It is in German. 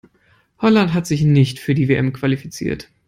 Holland hat sich nicht für die WM qualifiziert.